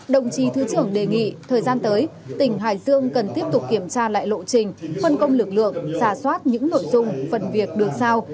đồng chí thứ trưởng đề nghị thời gian tới tỉnh hải dương cần tiếp tục kiểm tra lại lộ trình phân công lực lượng giả soát những nội dung phần việc được sao